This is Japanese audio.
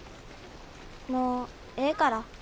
もうええから。